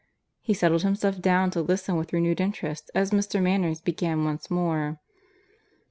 He settled himself down to listen with renewed interest as Mr. Manners began once more.